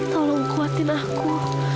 tolong kuatkan aku